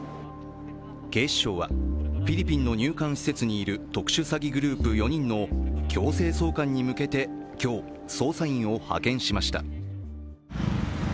警視庁はフィリピンの入管施設にいる特殊詐欺グループ４人の強制送還に向けて今日捜査員を派遣しました。